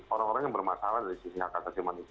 orang orang yang bermasalah dari sisi hak asasi manusia